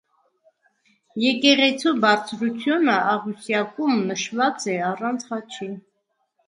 Եկեղեցու բարձրությունը աղյուսակում նշված է առանց խաչի։